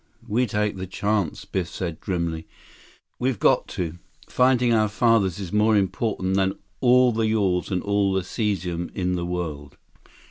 "We take that chance," Biff said grimly. "We've got to. Finding our fathers is more important than all the yawls and all the cesium in the world."